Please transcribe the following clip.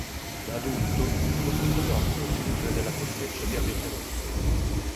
Da adulto, questo coleottero si nutre della corteccia di abete rosso.